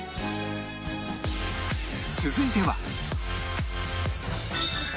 続いては